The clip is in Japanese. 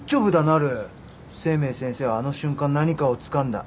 清明先生はあの瞬間何かをつかんだ。